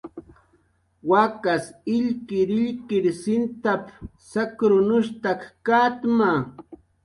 "Wakas illkirillkir sintap"" sakrunshtak katma"